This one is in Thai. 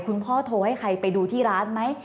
คุณพ่อโทรให้ใครไปดูที่ร้านไหม